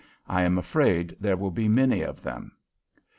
I am afraid there will be many of them.